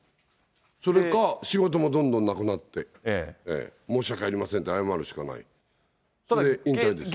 それか仕事もどんどんなくなって、申し訳ありませんって謝るしかない、それで引退ですよ。